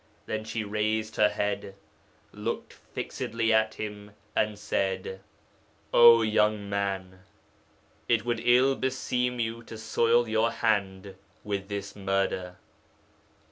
Then she raised her head, looked fixedly at him and said, "Oh, young man, it would ill beseem you to soil your hand with this murder."